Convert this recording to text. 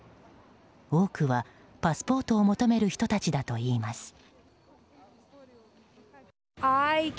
多くはパスポートを求める人たちだといいます。